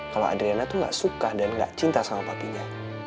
kalau adrena tuh gak suka dan gak cinta sama patinya